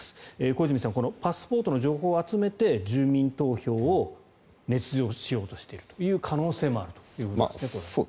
小泉さんパスポートの情報を集めて住民投票をねつ造しようとしている可能性もあるということですが。